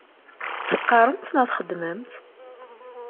Teqqaṛemt neɣ txeddmemt?